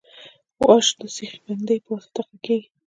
واش د سیخ بندۍ په واسطه تقویه کیږي